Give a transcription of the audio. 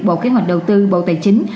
bộ kế hoạch đầu tư bộ tài chính